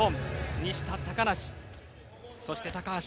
西田、高梨、そして高橋。